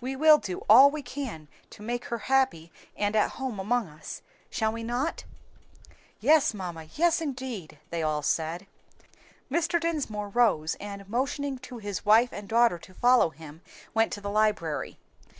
We will do all we can to make her happy and at home among us, shall we not?" "Yes, mamma, yes indeed!" they all said. Mr. Dinsmore rose, and motioning to his wife and daughter to follow him went to the library.